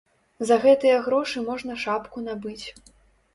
За гэтыя грошы можна шапку набыць.